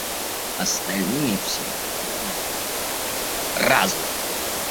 Остальные все по домам… Разом!